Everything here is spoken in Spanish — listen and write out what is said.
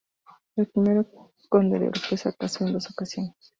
El I conde de Oropesa casó en dos ocasiones.